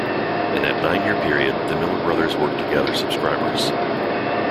In that nine-year period, the Miller brothers worked to gather subscribers.